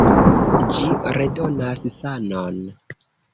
Ĝi redonas sanon!